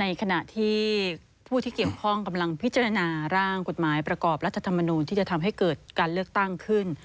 ในขณะที่ผู้ที่เกี่ยวข้องกำลังพิจารณาร่างกฎหมายประกอบรัฐธรรมนูลที่จะทำให้เกิดการเลือกตั้งขึ้น